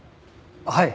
はい。